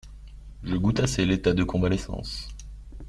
Je goûte assez l'état de convalescence.